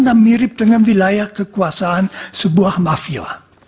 dan mirip dengan wilayah kekuasaan sebuah mafia